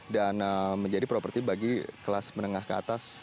dan menjadi properti bagi kelas menengah ke atas